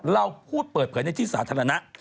เราพูดเปิดเผยในที่สาธารณะ